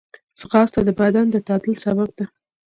ځغاسته د بدن د تعادل سبب ده